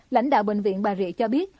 lãnh đạo bệnh viện bà rịa cho biết